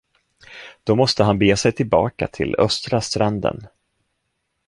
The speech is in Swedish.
Då måste han bege sig tillbaka till östra stranden.